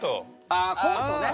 ああコートね。